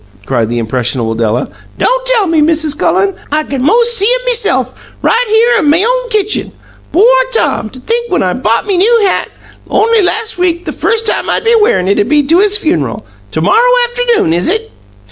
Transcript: cried the impressionable Della. "Don't tell me, Mrs. Cullen! I can most see 'em meself, right here in me own kitchen! Poor Tom! To think whin I bought me new hat, only last week, the first time I'd be wearin' it'd be to his funeral. To morrow afternoon, it is?"